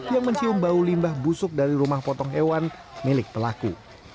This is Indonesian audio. yang mencium bau limbah busuk dari rumah potong hewan milik pelaku